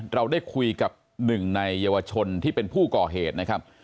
เราได้คุยกับหนึ่งในเยาวชนที่เป็นผู้ก่อเหตุนะครับ